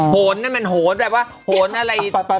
โหนนั่นแบบว่าโหนอะไร